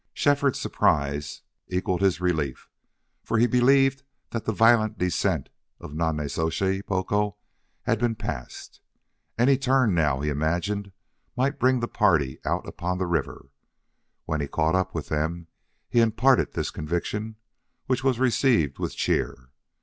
Shefford's surprise equaled his relief, for he believed that the violent descent of Nonnezoshe Boco had been passed. Any turn now, he imagined, might bring the party out upon the river. When he caught up with them he imparted this conviction, which was received with cheer.